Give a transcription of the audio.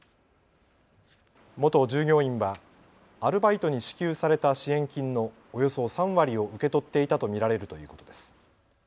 元従業員はアルバイトに支給された支援金のおよそ３割を受け取っていたと見られるということです。